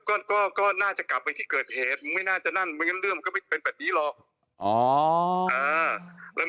ก็ก็น่าจะกลับไปที่เกิดเหตุไม่น่าจะนั่นไม่งั้นเรื่องมันก็ไม่เป็นแบบนี้หรอก